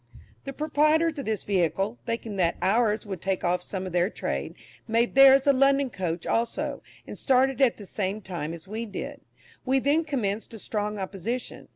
The proprietors of this vehicle, thinking that our's would take off some of their trade, made their's a London coach also, and started at the same time as we did. We then commenced a strong opposition.